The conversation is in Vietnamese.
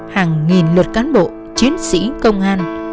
hàng nghìn lượt cán bộ chiến sĩ công an